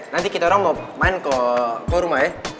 nanti kita orang mau main ke rumah ya